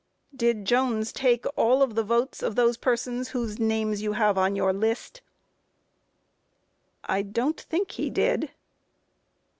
Q. Did Jones take all of the votes of those persons whose names you have on your list? A. I don't think he did.